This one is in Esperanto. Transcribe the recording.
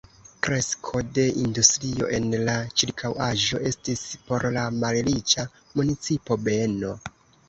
Kresko de industrio en la ĉirkaŭaĵo estis por la malriĉa municipo beno.